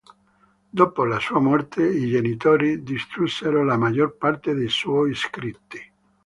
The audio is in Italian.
Dopo la sua morte i genitori distrussero la maggior parte dei suoi scritti.